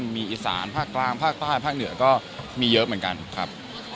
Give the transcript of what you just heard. มีอีสานภาคกลางภาคใต้ภาคเหนือก็มีเยอะเหมือนกันครับ